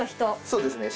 そうですね。